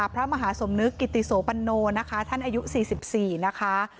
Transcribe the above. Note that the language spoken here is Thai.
พระมหาสมนึกกิติโสปันโนนะคะท่านอายุ๔๔นะคะ